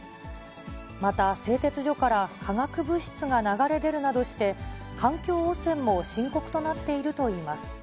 また製鉄所から化学物質が流れ出るなどして、環境汚染も深刻となっているといいます。